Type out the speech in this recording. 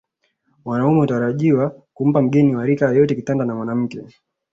Wanaume hutarajiwa kumpa mgeni wa rika yake kitanda na mwanamke